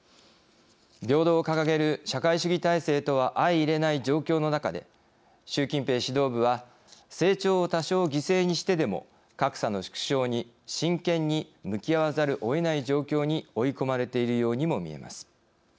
平等を掲げる社会主義体制とは相いれない状況の中で習近平指導部は成長を多少、犠牲にしてでも格差の縮小に真剣に向き合わざるをえない状況に追い込まれているようにも見えます。